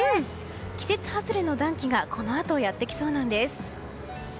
季節外れの暖気がこのあとやってきそうなんです。